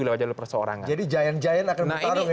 jadi jayan jayan akan bertarung ini ya